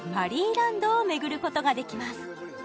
ランドをめぐることができます